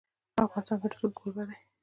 افغانستان د رسوب کوربه دی.